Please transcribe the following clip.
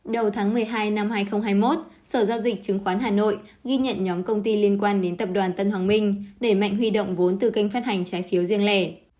đầu tháng một mươi hai năm hai nghìn hai mươi một sở giao dịch chứng khoán hà nội ghi nhận nhóm công ty liên quan đến tập đoàn tân hoàng minh để mạnh huy động vốn từ kênh phát hành trái phiếu riêng lẻ